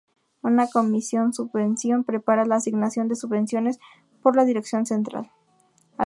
Una comisión subvención prepara la asignación de subvenciones por la dirección central.